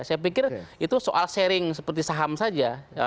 saya pikir itu soal sharing seperti saham saja